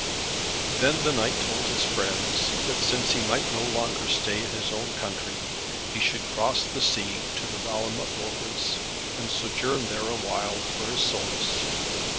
Then the knight told his friends that since he might no longer stay in his own country, he should cross the sea to the realm of Logres, and sojourn there awhile, for his solace.